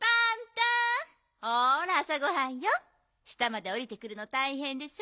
下までおりてくるのたいへんでしょ？